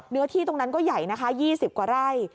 เนื้อที่ตรงนั้นก็ใหญ่นะคะ๒๐กว่าไร่